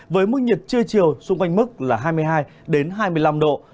với mức nhiệt chưa chiều xung quanh mức là hai mươi hai đến hai mươi năm độ